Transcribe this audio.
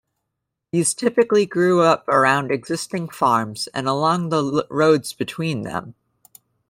These typically grew up around existing farms and along the roads between them.